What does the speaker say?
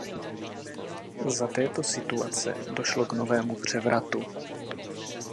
Za této situace došlo k novému převratu.